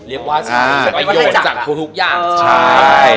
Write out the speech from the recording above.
เรียกว่าจากทุกอย่าง